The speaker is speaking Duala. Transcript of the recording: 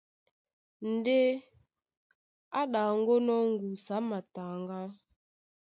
Ndé á ɗaŋgónɔ̄ ŋgusu á mataŋgá,